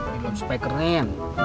di load spakerin